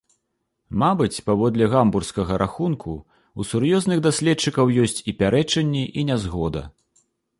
Мабыць, паводле гамбургскага рахунку, у сур'ёзных даследчыкаў ёсць і пярэчанні, і нязгода.